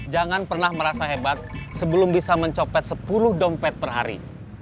jangan pernah merasa hebat sebelum bisa mencopet sepuluh dompet per hari